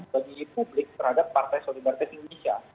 bagi publik terhadap partai solidaritas indonesia